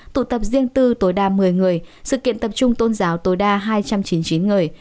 tụ tập riêng tư tối đa một mươi người sự kiện tập trung tôn giáo tối đa hai trăm chín mươi chín người